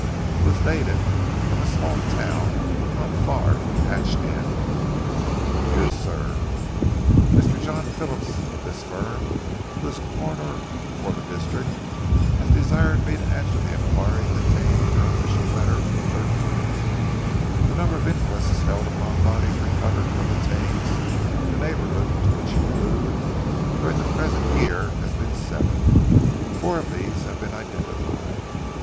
It was dated from a small town not far from Hatch End: DEAR SIR: Mr. John Phillips of this firm, who is coroner for the district, has desired me to answer the enquiry contained in your official letter of the 13th. The number of inquests held upon bodies recovered from the Thames in the neighbourhood to which you allude, during the present year has been seven. Four of these have been identified.